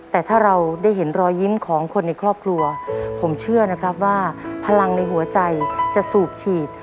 แต่ถ้าเราได้เห็นรอยยิ้มของคนในครอบครัวผมเชื่อนะครับว่าพลังในหัวใจจะสูบฉีด